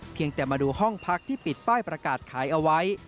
แต่มาดูห้องพักที่ปิดป้ายประกาศขายเอาไว้